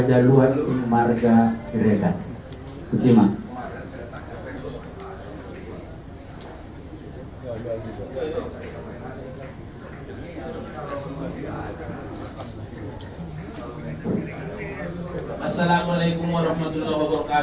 dan saya ingin mengucapkan salam kepada anda